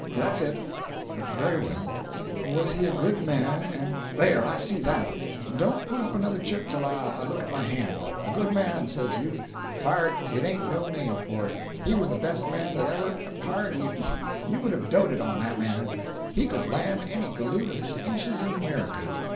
"That's it." "Very well. Was he a good man, and—" "There—I see that; don't put up another chip till I look at my hand. A good man, says you? Pard, it ain't no name for it. He was the best man that ever—pard, you would have doted on that man. He could lam any galoot of his inches in America.